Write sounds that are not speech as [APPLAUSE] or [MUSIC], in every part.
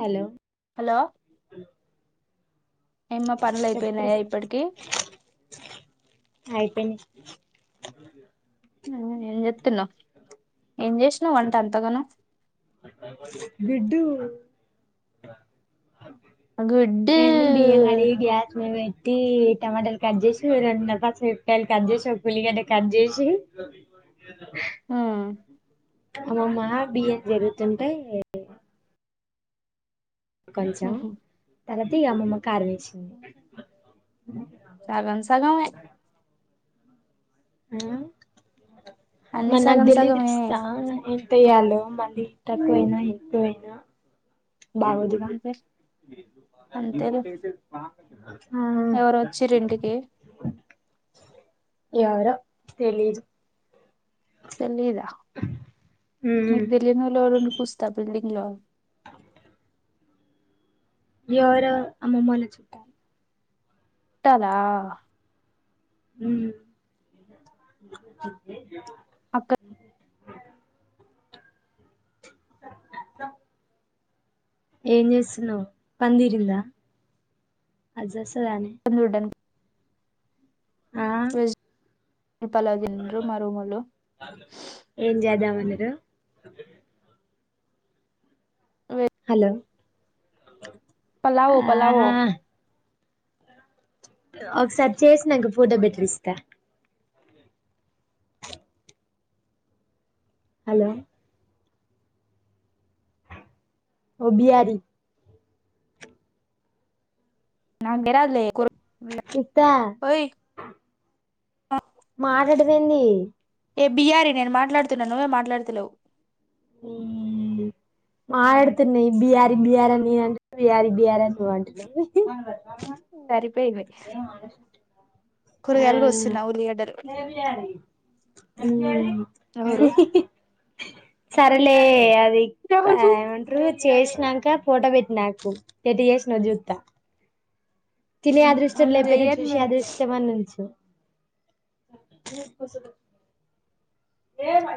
Hello hello ఏమ్మా పండ్లు చెప్పురి అయిపోయినాయా ఇప్పటికి అ మ్ ఏం చెత్తన్నవ్ గుడ్డూ గుడ్డు ఎవండి బియ్యం కడిగి గ్యాస్ మీద ఈ టమాటలు కట్ చేషి రెండున్నర పచ్చిమరపకాయలు కట్ చేషి ఒక ఉల్లి గడ్డ కట్ చేేషి అ హ అమ్మమ్మా బియ్యం చెరుగుతుంటె కొంచెం తరత ఈ అమ్మమ్మ కారవిచింది సగంసగమె అన్ని మరి నాకు సగం దెలీదు సగమే ఇస్తా ఎంతయ్యాల మళ్ళీ తక్కువ అయినా ఎక్కువయినా బాగోదుగా అంతే ఆ ఎవరో వచ్చీర్రు ఇంటికి ఎవరొ తెలీదు తెలిదా నీకు తెలీయనోళ్ళు ఎవరు ఇంటికొస్తారు బిల్డింగ్ లో ఎర అమ్మమ్మోల చుట్ట. చుట్టాల ‌. హుమ్. అక్క [INAUDIBLE] ఏం చేస్తున్నావ్ పందిరిందా. లోడెన్. ఆ వెజ్. పలవ తింటారు మా రూములు. అదె. హలో. పలావ పలావొ. ఆహా ఒకసారి చేసినాక ఫోటో పెట్టు రిషిత. హలో. ఓ బిఆరి. రంగరాజులే. చిత. ఆ. మాట్లాడవేంది. ఏ బియ్యారి నేను మాట్లాడుతున్నా నువ్వే మాట్లాడుతలేవు. ఉ మాట్లాడుతున్న ఈ బిహారి బిహారి అనే నేను అంటున్న బిహారీ బిహారీ అని నువ్వు అంటున్నావ్. సరిపోయింది. ఆ, కూరగాయలు కోస్తున్న ఉల్లిగడ్డలు. ఉమ్. ఎవరు సరేలే అది ఏమంటారు. చేసినంక ఫోటో పెట్టు నాకు ఎట్ట చేసినా చూస్తా. తినే అదృష్టం లేకపోయినా జయన్ చూసి మే అదృష్టమైన ఉంచు. ఏ కస.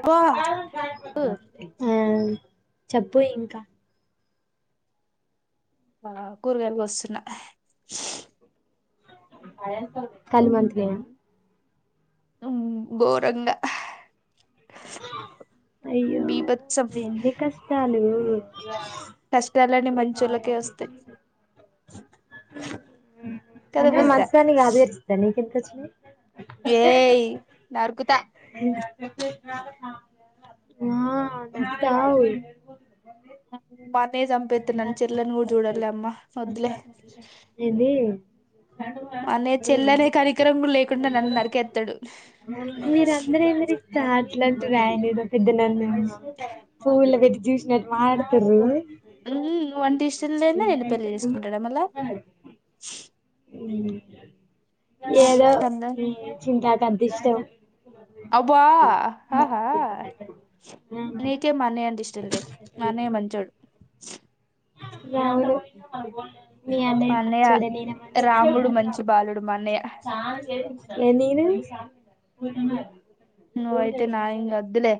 వా ఆ చెప్పు ఇంకా. ఆ కూరగాయలు కోస్తున్న. కలి మంతకి. ఉమ్ బోరంగా. అయ్యయ్యో బీభత్సం ఎన్ని కష్టాలు. ఆ కష్టాలన్నీ మంచోళ్ళకే వస్తే. అంతే నవ్వు మాంచి దానివి కదిలే నెక్ ఎందుక్ వచ్చింది. ఏయ్ నరుకుతా. ఆ బతాకతవు. మా అన్నయ్య చంపేస్తాడు చెల్లి అన్ని కూడా చూడదు లేమ్మా వదులే. ఏంది అనే అన్నయ్య చెల్లె అని కూడా కనకరం లేకుండా నన్ను నరికేస్తాడు. మీర అందర ఏందరి ఇస్త. ఇట్ల అంటరు ఆయనద పెద్ద నన్న పువ్వుల పెట్టి చూసినట్టు మాట్లాడుతూ. ఉహూ నువ్వంటే ఇష్టం లేదు నేను పెళ్లి చేసుకుంటా మాట్లాడుతుర్రు మళ్ళా. ఏదో చింతాకు అంటే ఇష్టం. అబ్బా ఆహా. నీకేం అన్నయ్య అంటే ఇష్టం లేదు మా అన్నయ్య మంచోడు. అవును. మీ మా అన్నయి అన్నయ్య మంచోడె నేనే రాముడు మంచిదని మంచి కాద్. బాలుడు మా అన్నయ్య ఎ నీను. రూమ్ లో నువ్వైతే నా పెట్టినవ్ ఇంగ వద్దులే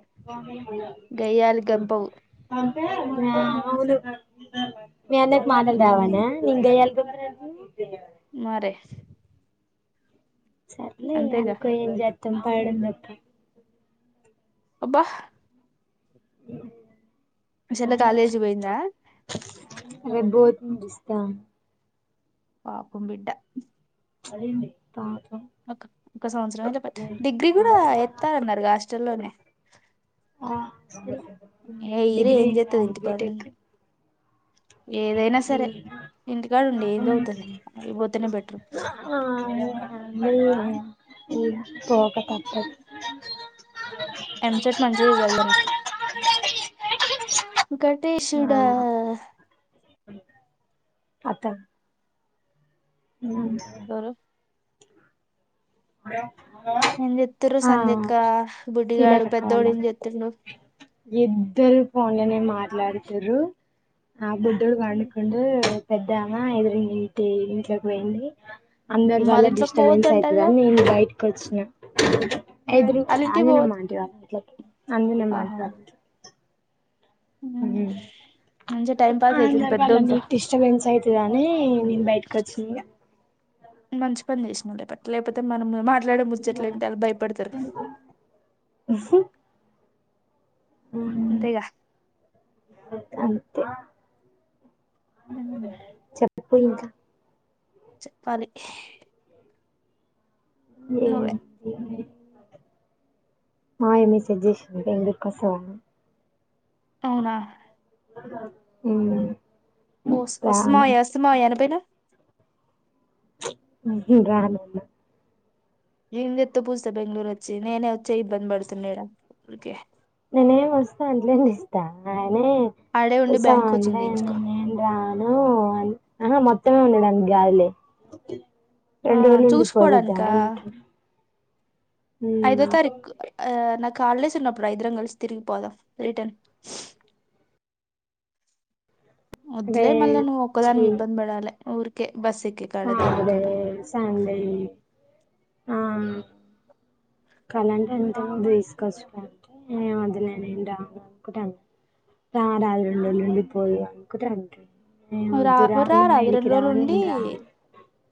గయ్యాళి గంపవు కదా. అవును మీ అన్నకి మాటలు మ్మ్ రవాన నీకు గయ్యాళి [INAUDIBLE] మరి సర్లే అనుకో ఏం జత్తం పడం తప్ప అబ్బా అ మీ చెల్లి కాలేజ్ పోయంద రేపు పోతుంది [INAUDIBLE] పాపం బిడ్డ పాపం ఒక ఒక సంవత్సరం డిగ్రీ కూడా ఎస్తాలన్నారుగ హాస్టల్లోనే ఆ ఏ ఇరే డిగ్రీ ఏం చేస్తది కాదు ఇంటికడ ఉండి బీటెక్ ఏదైనా సరే ఇంటికాడ ఉండి ఏం చదువుతది ఆడికి పోతేనే బెటర్ [INAUDIBLE] ఈ పోక తప్పదు ఎంసట్ మంచిగా చదవమను వేంకటేశుడ అత ఉమ్ ఎవరో మ ఏం చెప్తుారు సంధ్యక్క బుడ్డిగాడు శీలాకక్క వాళ్ళ పెద్దోడు ఏం చెట్టుండు ఇద్దరు ఫన్లనే మాట్లాడుతురూ ఆ బుడ్డోడు పండుకుండు పెద్దామ ఎదురు ఇంటి ఇంట్లోకి పోయింది అందరు వాళ్ళ వల్ ఇంట్లోకి డిస్టబెన్స్ అవుతది పోవద్దంటారుగా అని నేను బయటకి వచ్చిన ఎదురు వాళ్ళింటికి అంజనమ్మ పోవద్దు ఆంటి వాకిట్లో అంజనమ్మ ఆహా ఆంటికిట్లో [INAUDIBLE] ఉమ్. మంచిగా టైం పాస్ ఆ అయితుంది అందర వల్ల పెద్దోనితో నీకు డిస్టబెన్స్ అయితదా నీ నేను బయటకి వచ్చినా ఇగ మంచి పని చేసినం లేట్టి లేకపోతే మన మాట్లాడ ముచ్చట్లంటే అలా భయపడతారు ఇగ అంతేగా అంతే ఉమ్. చెప్పు పో ఇంకా చెప్పాలి ఏం నువ్వే హాయ్ మసాజ్ చేసింది బెంగుళూరు కి వాస్తవ [INAUDIBLE] అవునా ఉమ్ వస్తమయ వస్తమయ అని పోయినవు రాను ఏం చేస్తావ్ పూజిత బెంగళూరు వచ్చి నేనే వచ్చి ఇబ్బంది పడుతునా ఈడ ననేేం వస్తా అంతలే ఇస్తా ఆడే ఉండి ఉస బ్యాంక్ కోచింగ్ చేయించుకో అందేంటను మొత్తం [INAUDIBLE] ఉండడానికి గాదులే ఆ రెండు రోజులు ఉండి పోదుద్దామ చూసుకోడానికా ఐదో తారీకు ఆ నాకు హాలిడేస్ ఉన్నపుడు ఇద్దరం కలిసి తిరిగి పోదాం ఇద్దరం అదే వద్దులే మళ్ళీ నువ్వు ఛీ ఒక్కదానికి ఇబ్బంది పడాలి ఊరికే బస్ ఎక్కే కాడ దిగే సాటర్డే కాడ సండే ఆ కాల అంటే ఎంత తీసుకొచ్చుంటే అది నేనుం అనుకుంటాన్నా [INAUDIBLE] రా రాజ రెండ నుండి పొడవు అంటే ఒకటి [INAUDIBLE] రా రాది రెండు రోజులు ఉండి నేను రాను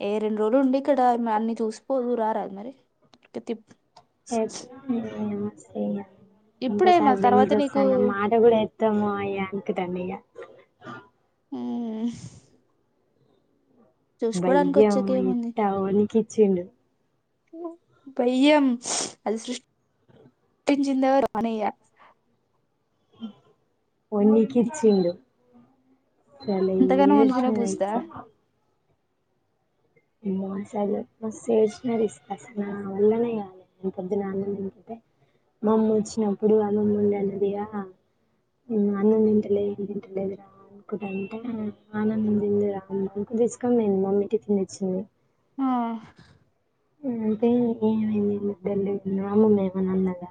ఏ రెండు రెండు రోజలు ఉండి ఇక్కడ అన్ని చూసిపోదు రారదు మరి స ఇప్పుడే ఇంకోసారి మరి తర్వాత బెంగళూరు నీకు వస్తాను మాట కూడా ఎత్తాము అయ అనుకుతాండి ఇక [INAUDIBLE] ఆ బై్యవ వచ్చాకేముంది ఎట్టావ అని క ఇచ్చూడి పయ్యం అది సృష్ పిజిందవ మనయ న్నికి ఇచ్చిడు చాల ఈ అంతగానో విష వణుకునే పూస్తా మసిన అస నా వల్లనే కావాలి నేను పొద్దునాన్నకంటే మామ్మ వచ్చిన పురుగుమ్మడిన్నదయ అన్నం నింటలేంటలేదరా అనుంటే ఆనందం తింది రామ్ను తీసుకొని నేను మమ్మీటి తినిచ్చింది ఆ అంటే ఏమైందిద్ద అమ్మమ్మ ఏమనాన్నదా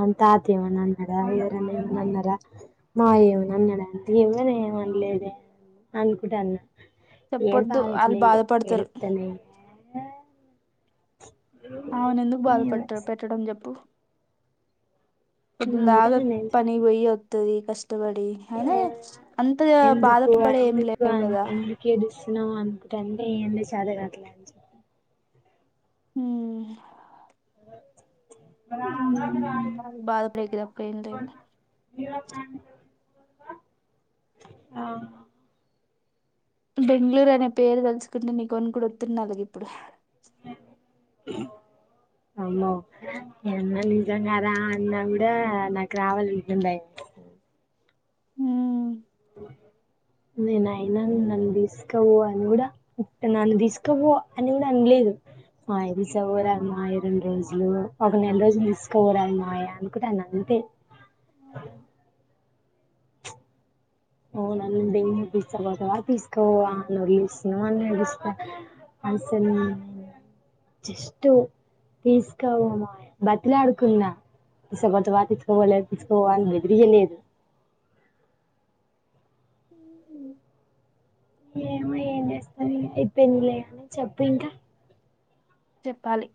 అ తాత అవ నాన్నర ఎర నన్నర మా ఏమన అన్నాడుంటే ఏమనా ఏమనలేదు అనుకుంటా అన్నా ఏడు చెప్పొద్దు వాళ్ళు బాలట్లే బాధపడతారు ఎతునే అవున ఎందుకు బాధపడ్ పెట్టడం చెప్పు కుందాగా అందుకనే నేను పని చెప్పలే పోయ్య ఒతుది ఎందుకు బాధపడే ఏం ఎందుకు లేవు అ కదా ఎందుకు ఎదిస్తుిన అంట ంటే ఏండి చదువట్లే అని చెప్ప హ ఆ బాధ బ్రేకి తప్పయింది ఇదు ఆ బెంగళూరు అనే పేరు తెలుసుకుంటే నీకు కొను కూడా వతున్న అలాగ ఇప్పుడు [INAUDIBLE] అమో ఏన్న నిజంగా రాా అన్న కూడా నాకు రావాల్సింటుంది [INAUDIBLE] హ నేను అయినా నన్ను తీసుకోవ అని కూడాట్ట నన్ను తీసుకోవ అని కూడా అనిలే ఇ ఆయిది చవర అమ్మాయి రెండు రోజులు ఒక నెల రోజులు తీసుకు రమ్మాయి అనుకుంటాను అంతే [INAUDIBLE] ఓ న ే తీస్కోబదవా తీస్కో అ నస్ను అనిలుస్తా అసన్ జస్ తీస్కావ బతులా అడుకుంద ఇసబ వా తక బోలే ఇిసుక పోని హదనేదు ఉ మో ఏం చేస్తాను అయిపోయింది లే అని చెప్పు ఇంకా చెప్పాలి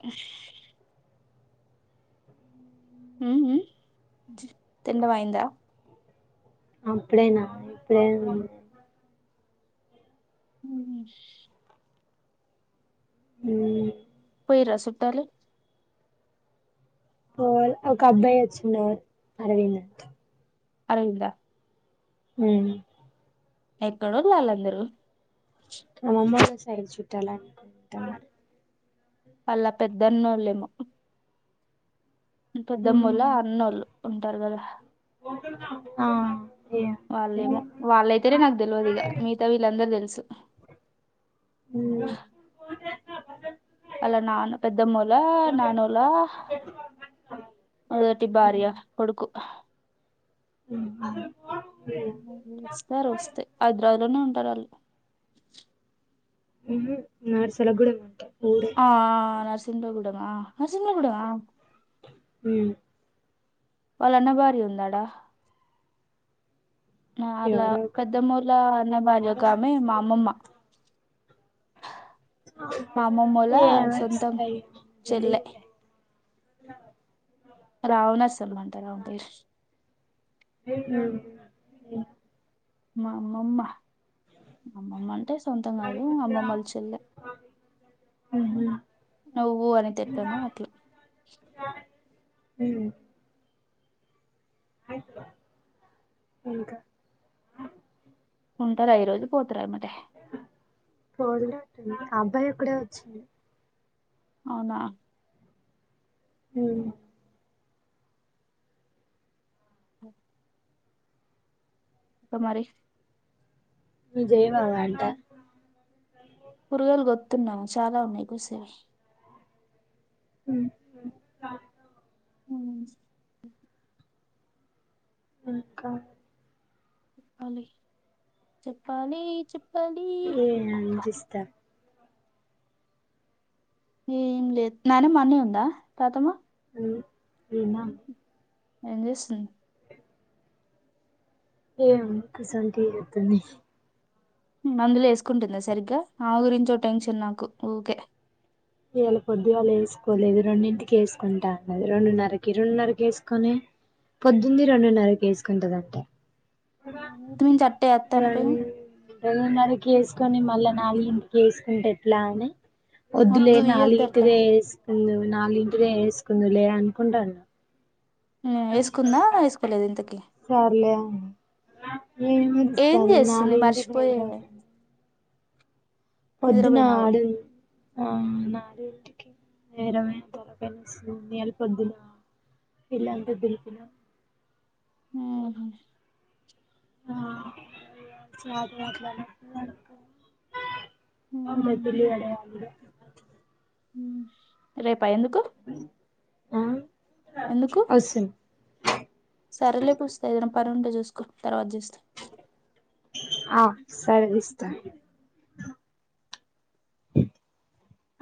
తిన్న వయందా అప్పుడేనా ఇప్పుడే ఉ అ రా సతాల ఓ ఒక అబ్బాయి వచ్చిన అరవీందథ్ అరంద హ ఎక్కడోళ్ళాలందరూ ఆమ అమ్ కూడాసయిరిచుట్టాలంట వాళ్ళ పెద్దన్నోళ్ళెమో ఉమ్, పెద్దమ్మోళ్ల అన్నోళ్ళు ఉంటారు కదా ఆ ఏమో వాళ్ళేమో తెలియదు వాళ్ళైతేనే నాకు తెలియదు ఇక మిగతా వీళ్ళందరు తెలుసు ఊ అలా నాన్న పెద్దమ్మ వొళ్ళ నాన్న వొళ్ళ మొదటి భార్య కొడుకు ఉహు వస్తారు వస్తే హైదరాబాద్ లోనే ఉంటారు వాళ్ళు ఉహు యు ఎస్ లో కూడా ఉంటారు ఆ నరసింహ గుడం ఆ నరసింహ గుడం ఆ ఉ వాళ్ళ అన్న భార్య ఉంది అడా వాళ్ళ ఎవరో ఒక పెద్దమ్మ వొళ్ళ అన్న భార్య ఒక ఆమె మా అమ్మమ్మ మా అమ్మమ్మోళ్ళ ఏమీ సొంతం వస్తాయి చెల్లె [INAUDIBLE] [UNINTELLIGIBLE] ఏను మా అమ్మమ్మ అమ్మమ్మ అంటే సొంతం కాదు అమ్మమ్మ వాళ్ళ చెల్లే ఉహు నువ్వు అనిత ఎట్లనో అట్ల ఉ ఇంకా ఉంటారా ఈ రోజు పోతార ఎమ్మటే అబ్బాయి ఓక్కడే వచ్చిం అవునా ఊ ఓ ఇక మరి నువ్వు చేయవా వంట కూరగాయలు గొత్తున్నాం చాలా ఉన్నాయి కోసేవి ఉహు [INAUDIBLE] ఇంకా చెప్పాలి చెప్పాల్ ఎమ్ చేస్తా ఏం లేదు నాన్నమ్మ అన్నే ఉందా తాతమ్మ [UNINTELLIGIBLE] ఏం చేస్తుంది [UNINTELLIGIBLE] మందులు వేసుకుంటుందా సరిగ్గా ఆమె గురించే టెన్షన్ నాకు ఊకె ఇవాళ పొద్దుగాళ్ళ వేసుకోలేదు రెండింటికి వేసుకుంటా ఆన్నది రెండున్నరకి రెండున్నరకి వేసుకొలే పొద్దుంది రెండున్నర కి వేసుకుంటాదంట టు థర్టీ [UNINTELLIGIBLE] రెండున్నరకి ఏసుకొని మళ్ళా నాలగు ఇంటికి వేసుకుంటే ఎట్లా అని ఇందులే వద్దు ఇయ్యొద్దు అట్లా నాలుగింటిదే వేసుకుంద నాలుగింటిదే వేసుకుందు లే అనుకుంటాన్న వేసుకుందా వేసుకోలేదు ఇంతకి సర్లే అన్న ఏమీ ఏం [UNINTELLIGIBLE] చేస్తుంది నాలుగు ఇంటికి మర్చిపోయే ఎందుకు పొద్దున నిద్రపోయినావు ఆడు ఆ నాలుగింటికి [UNINTELLIGIBLE] పొద్దున ఇల్లంతా దులిపినా ఊహు ఆ [UNINTELLIGIBLE] పెద్దిల్లు కడగాలి ఇగ రేపా ఎందుకు? ఆ ఎందుకు వస్సున్ సరేలే పూజితా ఏదైనా పని ఉంటే చూసుకో తర్వాత చేస్తా. ఆ సరే విస్త